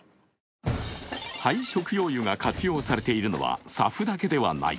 廃食用油が活用されているのはＳＡＦだけではない。